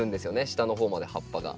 下の方まで葉っぱが。